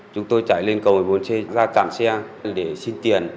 chúng tôi chạy lên cầu một mươi bốn c ra tạm xe để xin tiền